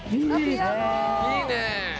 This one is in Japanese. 「いいね！」